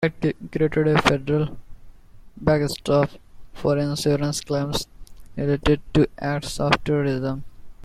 The Act created a federal "backstop" for insurance claims related to acts of terrorism.